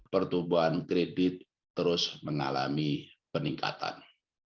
pertumbuhan kredit terus mengalami peningkatan